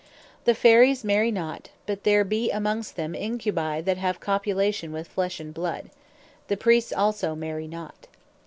The Fairies marry not; but there be amongst them Incubi, that have copulation with flesh and bloud. The Priests also marry not.